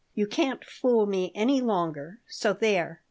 You can't fool me any longer. So there!"